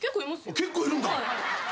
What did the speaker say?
結構いるんだ。